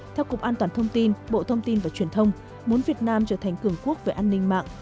theo cục an toàn thông tin bộ thông tin và truyền thông muốn việt nam trở thành cường quốc về an ninh mạng